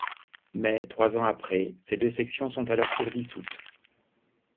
Mais, trois ans après, ces deux sections sont à leur tour dissoutes.